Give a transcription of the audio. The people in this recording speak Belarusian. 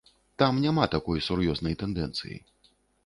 Там няма такой сур'ёзнай тэндэнцыі.